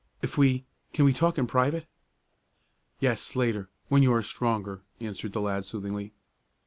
If we can we talk in private?" "Yes, later, when you are stronger," answered the lad soothingly.